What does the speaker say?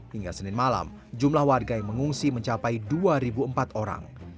hingga senin malam jumlah warga yang mengungsi mencapai dua empat orang